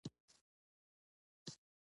هره ورځ یو فرصت دی.